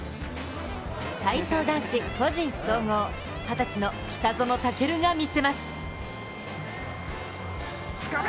体操男子個人総合、二十歳の北園丈琉が見せます。